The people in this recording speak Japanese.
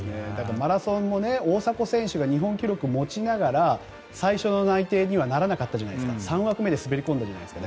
マラソンも大迫選手が日本記録を持ちながら最初の内定にはならなかったじゃないですか３枠目に滑り込んだじゃないですか。